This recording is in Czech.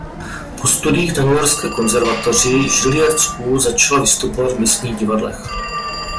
Po studiích na newyorské konzervatoři Juilliard School začala vystupovat v místních divadlech.